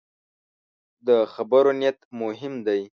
د خبرو نیت مهم دی